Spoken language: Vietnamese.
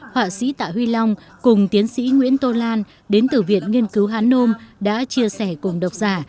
họa sĩ tạ huy long cùng tiến sĩ nguyễn tô lan đến từ viện nghiên cứu hán nôm đã chia sẻ cùng độc giả